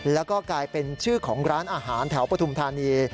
แล้วก็กลายเป็นชื่อของร้านอาหารแถวปฐุมธานี